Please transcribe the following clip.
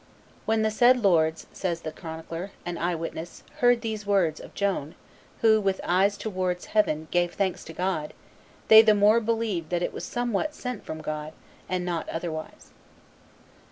"When the said lords," says the chronicler, an eye witness, "heard these words of Joan, who, with eyes towards heaven, gave thanks to God, they the more believed that it was somewhat sent from God, and not otherwise."